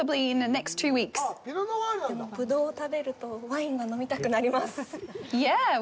ブドウを食べるとワインが飲みたくなります。